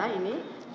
ya itu yang waktu